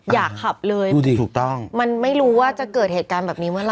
อยากขับเลยดูดิถูกต้องมันไม่รู้ว่าจะเกิดเหตุการณ์แบบนี้เมื่อไ